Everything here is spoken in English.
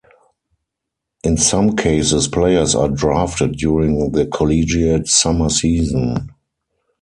In some cases, players are drafted during the collegiate summer season.